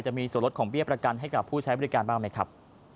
จะมีส่วนลดของเบี้ยประกันให้กับผู้ใช้บริการบ้างไหมครับ